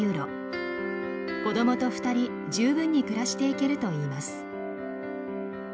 子どもと２人十分に暮らしていけるといいます。